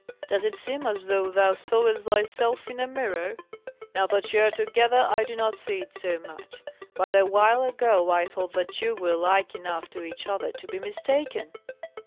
Does it seem as though thou sawest thyself in a mirror? Now that you are together, I do not see it so much; but a while ago I thought that you were like enough to each other to be mistaken."